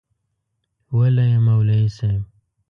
وله يي مولوي صيب